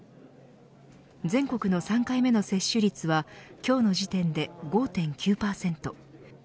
全国の３回目の接種率は今日の時点で５．９％。